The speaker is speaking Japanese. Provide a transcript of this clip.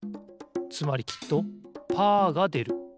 つまりきっとパーがでる。